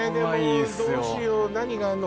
でもどうしよう何があるの？